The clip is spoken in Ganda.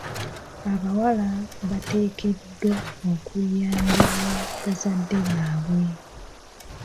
Abawala bateekeddwa okuyambibwa bazadde baabwe.